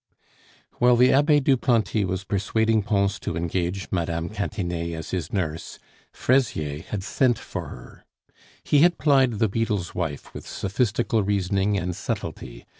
While the Abbe Duplanty was persuading Pons to engage Mme. Cantinet as his nurse, Fraisier had sent for her. He had plied the beadle's wife with sophistical reasoning and subtlety.